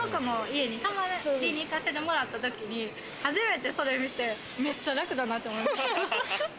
泊まりに行かせてもらった時に初めて、それ見てめっちゃ楽だなと思いました。